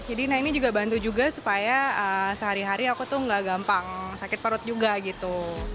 jadi nah ini juga bantu juga supaya sehari hari aku tuh nggak gampang sakit perut juga gitu